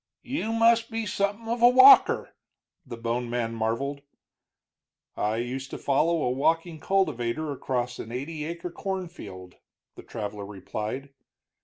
"You must be something of a walker," the bone man marveled. "I used to follow a walking cultivator across an eighty acre cornfield," the traveler replied.